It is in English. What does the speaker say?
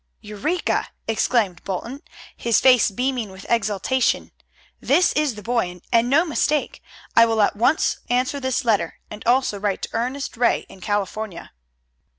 "Eureka!" exclaimed Bolton, his face beaming with exultation. "This is the boy and no mistake. I will at once answer this letter, and also write to Ernest Ray in California."